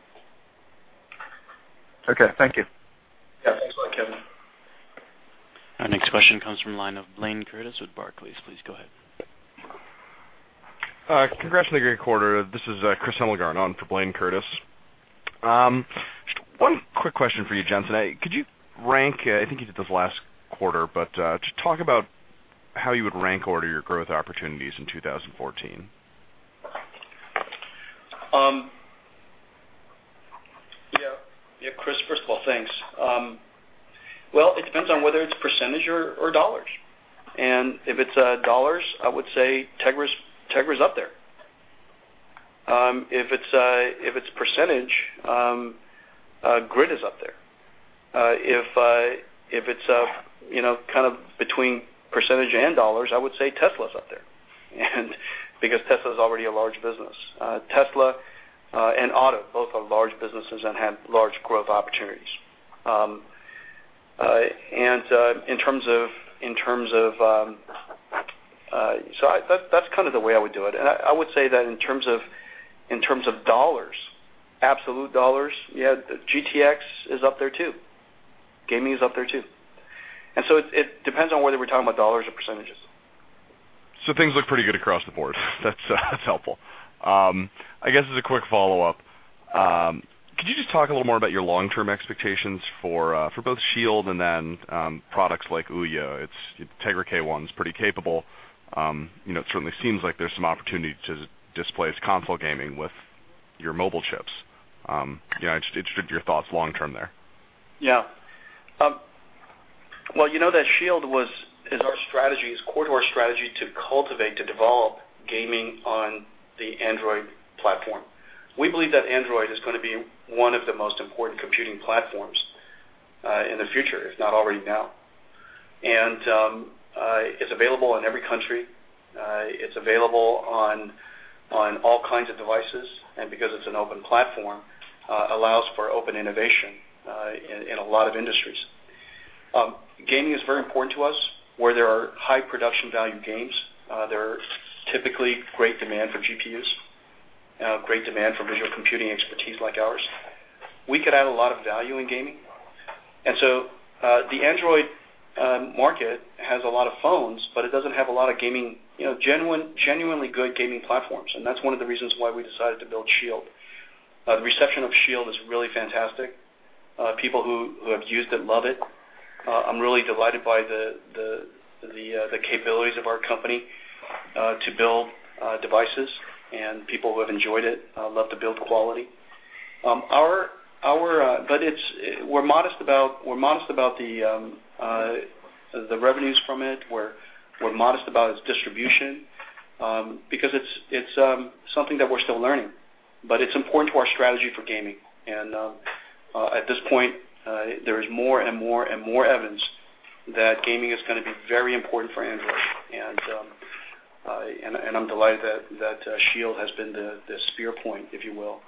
Okay, thank you. Yeah, thanks a lot, Kevin. Our next question comes from the line of Blayne Curtis with Barclays. Please go ahead. Congrats on a great quarter. This is Christian [Legard] on for Blayne Curtis. Just one quick question for you, Jen-Hsun. Could you rank, I think you did this last quarter, just talk about how you would rank order your growth opportunities in 2014. Yeah, Chris, first of all, thanks. Well, it depends on whether it's percentage or dollars. If it's dollars, I would say Tegra's up there. If it's percentage, Grid is up there. If it's kind of between percentage and dollars, I would say Tesla's up there. Because Tesla's already a large business. Tesla and Automotive both are large businesses and have large growth opportunities. That's kind of the way I would do it. I would say that in terms of dollars, absolute dollars, yeah, GTX is up there, too. Gaming is up there, too. It depends on whether we're talking about dollars or percentages. Things look pretty good across the board. That's helpful. I guess as a quick follow-up, could you just talk a little more about your long-term expectations for both SHIELD and then products like OUYA? Tegra K1 is pretty capable. It certainly seems like there's some opportunity to displace console gaming with your mobile chips. Just your thoughts long term there. Yeah. Well, you know that SHIELD is our strategy, is core to our strategy to cultivate, to develop gaming on the Android platform. We believe that Android is going to be one of the most important computing platforms in the future, if not already now. It's available in every country. It's available on all kinds of devices, and because it's an open platform, allows for open innovation in a lot of industries. Gaming is very important to us. Where there are high production value games, there are typically great demand for GPUs, great demand for visual computing expertise like ours. We could add a lot of value in gaming. The Android market has a lot of phones, but it doesn't have a lot of genuinely good gaming platforms, and that's one of the reasons why we decided to build SHIELD. The reception of SHIELD is really fantastic. People who have used it love it. I'm really delighted by the capabilities of our company to build devices, and people who have enjoyed it love the build quality. We're modest about the revenues from it. We're modest about its distribution, because it's something that we're still learning. It's important to our strategy for gaming. At this point, there is more and more evidence that gaming is going to be very important for Android. I'm delighted that SHIELD has been the spear point, if you will,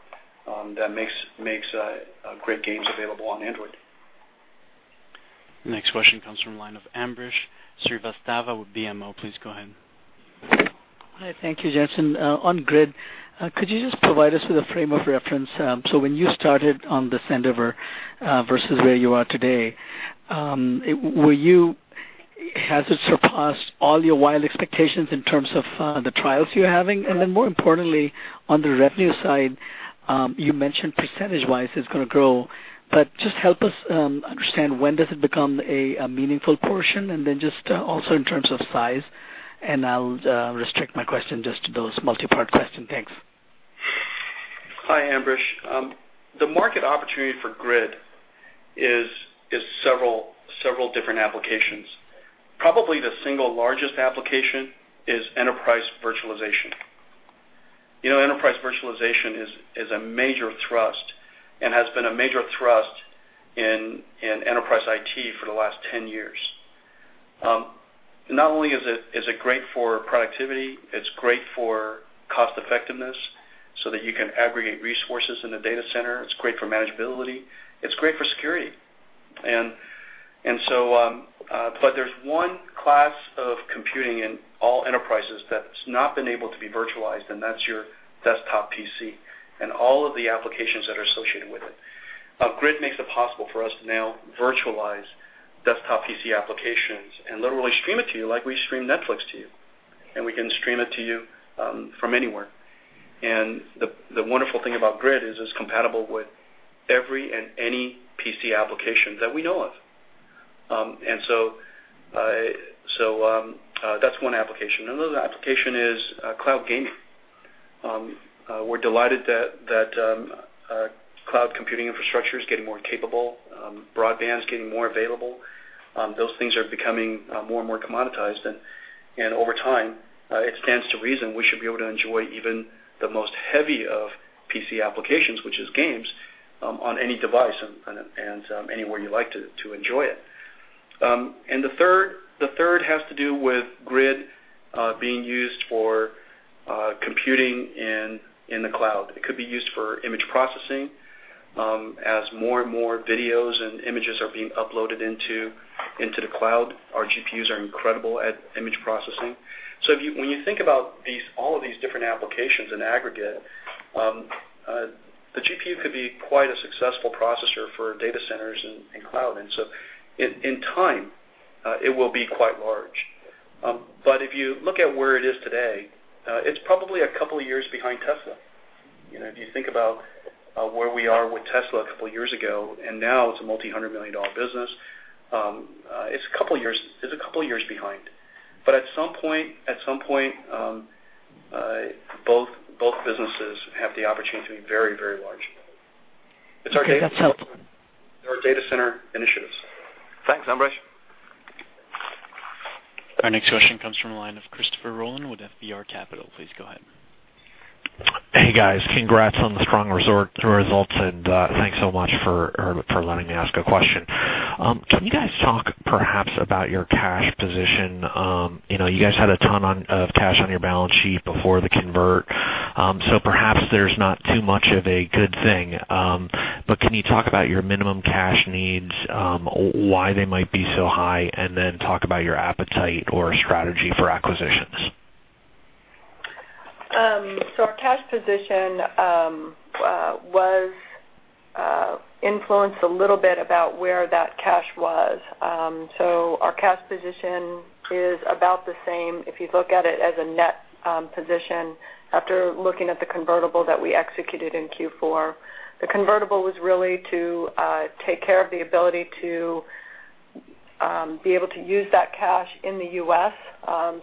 that makes great games available on Android. Next question comes from the line of Ambrish Srivastava with BMO. Please go ahead. Hi, thank you, Jensen. On Grid, could you just provide us with a frame of reference? When you started on this endeavor versus where you are today, has it surpassed all your wild expectations in terms of the trials you're having? More importantly, on the revenue side, you mentioned percentage-wise it's going to grow, but just help us understand when does it become a meaningful portion, and then just also in terms of size, and I'll restrict my question just to those. Multi-part question. Thanks. Hi, Ambrish. The market opportunity for Grid is several different applications. Probably the single largest application is enterprise virtualization. Enterprise virtualization is a major thrust and has been a major thrust in enterprise IT for the last 10 years. Not only is it great for productivity, it's great for cost effectiveness so that you can aggregate resources in the data center. It's great for manageability. It's great for security. There's one class of computing in all enterprises that's not been able to be virtualized, and that's your desktop PC and all of the applications that are associated with it. Grid makes it possible for us to now virtualize desktop PC applications and literally stream it to you like we stream Netflix to you, and we can stream it to you from anywhere. The wonderful thing about Grid is it's compatible with every and any PC application that we know of. That's one application. Another application is cloud gaming. We're delighted that cloud computing infrastructure is getting more capable, broadband's getting more available. Those things are becoming more and more commoditized, and over time, it stands to reason we should be able to enjoy even the most heavy of PC applications, which is games, on any device and anywhere you like to enjoy it. The third has to do with Grid being used for computing in the cloud. It could be used for image processing. As more and more videos and images are being uploaded into the cloud, our GPUs are incredible at image processing. When you think about all of these different applications in aggregate, the GPU could be quite a successful processor for data centers and cloud. In time, it will be quite large. If you look at where it is today, it's probably a couple of years behind Tesla. If you think about where we are with Tesla a couple of years ago, and now it's a multi-hundred million dollar business, it's a couple of years behind. At some point, both businesses have the opportunity to be very, very large. Okay, that's helpful. Our data center initiatives. Thanks, Ambrish. Our next question comes from the line of Christopher Rolland with FBR Capital. Please go ahead. Hey, guys. Congrats on the strong results, and thanks so much for letting me ask a question. Can you guys talk perhaps about your cash position? You guys had a ton of cash on your balance sheet before the convert, so perhaps there's not too much of a good thing. Can you talk about your minimum cash needs, why they might be so high, and then talk about your appetite or strategy for acquisitions? Our cash position was influenced a little bit about where that cash was. Our cash position is about the same if you look at it as a net position after looking at the convertible that we executed in Q4. The convertible was really to take care of the ability to be able to use that cash in the U.S.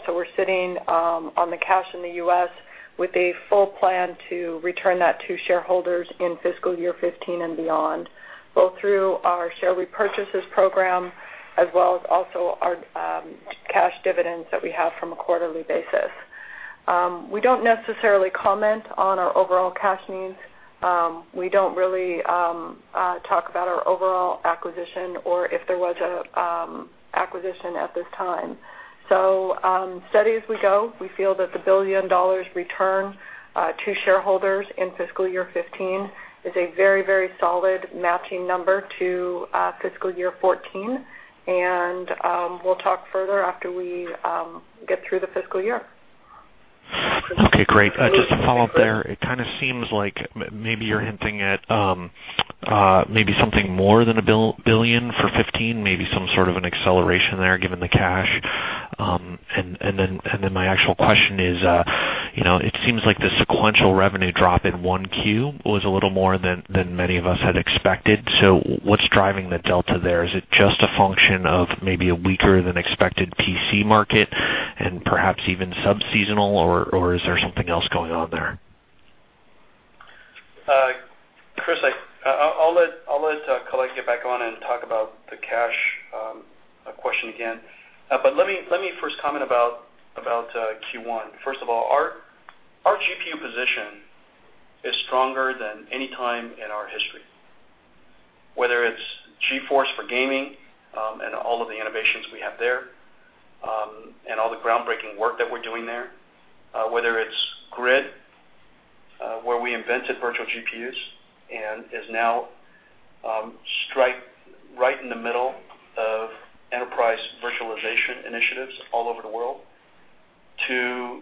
We're sitting on the cash in the U.S. with a full plan to return that to shareholders in fiscal year 2015 and beyond, both through our share repurchases program as well as also our cash dividends that we have from a quarterly basis. We don't necessarily comment on our overall cash needs. We don't really talk about our overall acquisition or if there was an acquisition at this time. Steady as we go. We feel that the $1 billion return to shareholders in fiscal year 2015 is a very solid matching number to fiscal year 2014. We'll talk further after we get through the fiscal year. Okay, great. Just to follow up there, it kind of seems like maybe you're hinting at maybe something more than $1 billion for 2015, maybe some sort of an acceleration there given the cash. My actual question is, it seems like the sequential revenue drop in 1Q was a little more than many of us had expected. What's driving the delta there? Is it just a function of maybe a weaker than expected PC market and perhaps even sub-seasonal, or is there something else going on there? Chris, I'll let Colette get back on and talk about the cash question again. Let me first comment about Q1. First of all, our GPU position is stronger than any time in our history, whether it's GeForce for gaming and all of the innovations we have there, and all the groundbreaking work that we're doing there, whether it's Grid, where we invented virtual GPUs and is now right in the middle of enterprise virtualization initiatives all over the world, to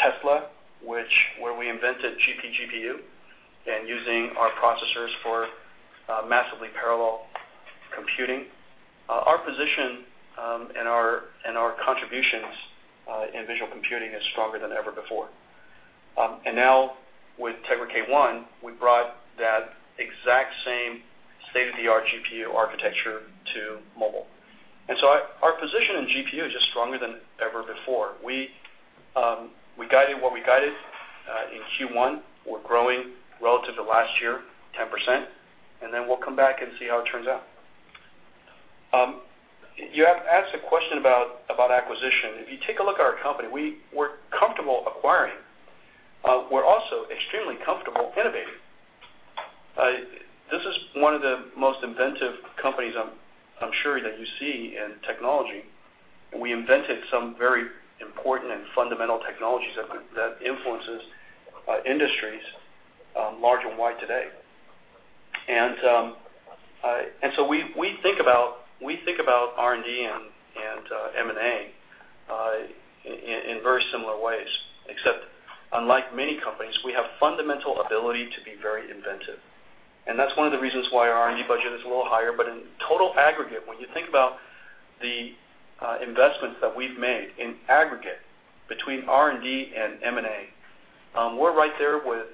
Tesla, where we invented GPGPU and using our processors for massively parallel computing. Our position and our contributions in visual computing is stronger than ever before. Now with Tegra K1, we brought that exact same state-of-the-art GPU architecture to mobile. Our position in GPU is just stronger than ever before. We guided what we guided in Q1. We're growing relative to last year, 10%. Then we'll come back and see how it turns out. You asked a question about acquisition. If you take a look at our company, we're comfortable acquiring. We're also extremely comfortable innovating. This is one of the most inventive companies, I'm sure, that you see in technology. We invented some very important and fundamental technologies that influence industries large and wide today. We think about R&D and M&A in very similar ways except unlike many companies, we have fundamental ability to be very inventive, and that's one of the reasons why our R&D budget is a little higher. In total aggregate, when you think about the investments that we've made in aggregate between R&D and M&A, we're right there with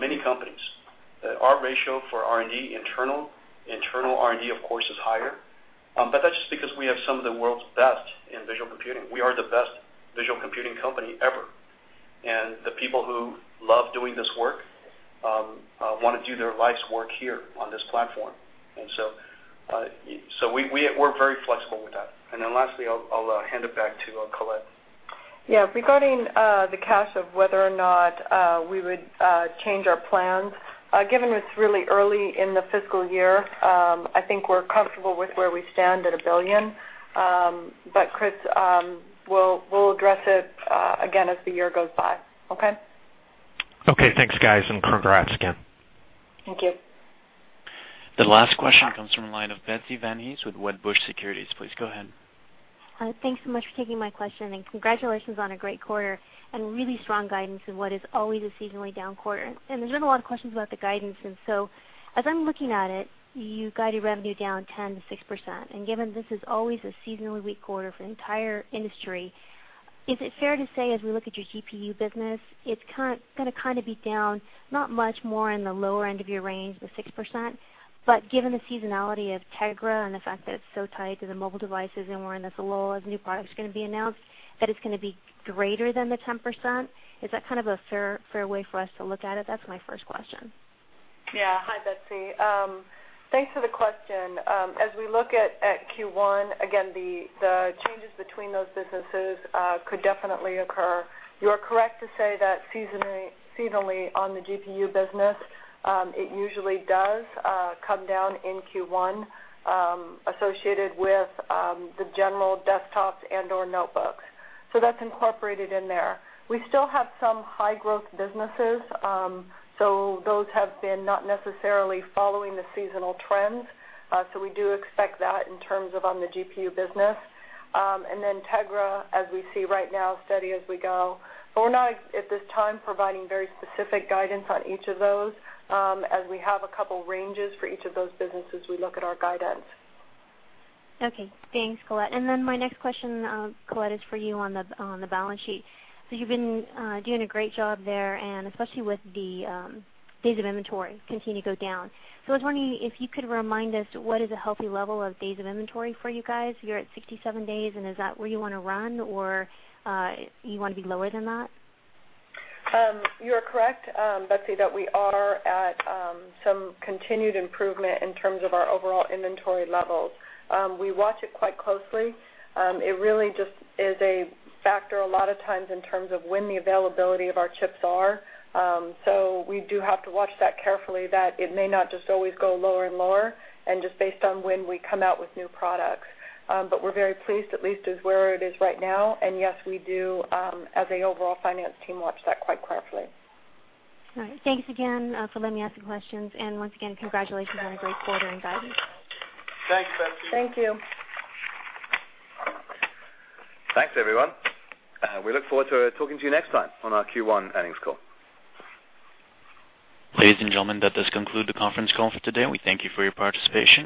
many companies. Our ratio for R&D internal R&D, of course, is higher. That's just because we have some of the world's best in visual computing. We are the best visual computing company ever, and the people who love doing this work want to do their life's work here on this platform. We're very flexible with that. Lastly, I'll hand it back to Colette. Yeah. Regarding the cash of whether or not we would change our plans, given it's really early in the fiscal year, I think we're comfortable with where we stand at $1 billion. Chris, we'll address it again as the year goes by. Okay? Okay. Thanks, guys, congrats again. Thank you. The last question comes from the line of Betsy Van Hees with Wedbush Securities. Please go ahead. Thanks so much for taking my question. Congratulations on a great quarter and really strong guidance in what is always a seasonally down quarter. There's been a lot of questions about the guidance, so as I'm looking at it, you guided revenue down 10%-6%. Given this is always a seasonally weak quarter for the entire industry, is it fair to say, as we look at your GPU business, it's going to be down not much more in the lower end of your range, the 6%, but given the seasonality of Tegra and the fact that it's so tied to the mobile devices and we're in this lull of new products going to be announced, that it's going to be greater than the 10%? Is that a fair way for us to look at it? That's my first question. Yeah. Hi, Betsy. Thanks for the question. As we look at Q1, again, the changes between those businesses could definitely occur. You are correct to say that seasonally on the GPU business, it usually does come down in Q1 associated with the general desktops and/or notebooks. That's incorporated in there. We still have some high-growth businesses, those have been not necessarily following the seasonal trends. We do expect that in terms of the GPU business. Then Tegra, as we see right now, steady as we go. We're not, at this time, providing very specific guidance on each of those as we have a couple ranges for each of those businesses we look at our guidance. Okay. Thanks, Colette. My next question, Colette, is for you on the balance sheet. You've been doing a great job there, and especially with the days of inventory continue to go down. I was wondering if you could remind us what is a healthy level of days of inventory for you guys. You're at 67 days, and is that where you want to run, or you want to be lower than that? You are correct, Betsy, that we are at some continued improvement in terms of our overall inventory levels. We watch it quite closely. It really just is a factor a lot of times in terms of when the availability of our chips are. We do have to watch that carefully that it may not just always go lower and lower and just based on when we come out with new products. We're very pleased, at least as where it is right now. Yes, we do as a overall finance team, watch that quite carefully. All right. Thanks again for letting me ask the questions, and once again, congratulations on a great quarter and guidance. Thanks, Betsy. Thank you. Thanks, everyone. We look forward to talking to you next time on our Q1 earnings call. Ladies and gentlemen, that does conclude the conference call for today. We thank you for your participation.